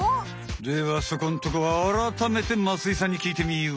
ではそこんとこあらためて増井さんにきいてみよう。